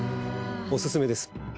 おすすめです。